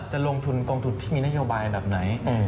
จะลงทุนกองทุนที่มีนโยบายแบบไหน